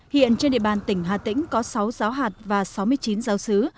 hiện trên địa bàn tỉnh hà tĩnh có sáu giáo hạt và sáu mươi chín giáo sứ